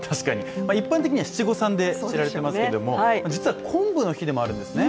一般的には七五三で知られていますけど実は昆布の日でもあるんですね。